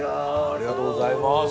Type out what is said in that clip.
ありがとうございます。